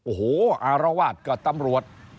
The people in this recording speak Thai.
โอ้โหอารวาสกับตำรวจ